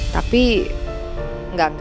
tapi enggak enggak enggak